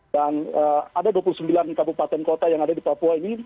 dan ada dua puluh sembilan kabupaten kota yang ada di papua ini